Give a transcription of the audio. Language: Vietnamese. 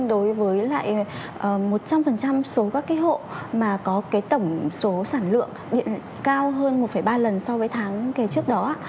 đối với lại một trăm linh số các cái hộ mà có tổng số sản lượng điện cao hơn một ba lần so với tháng kể trước đó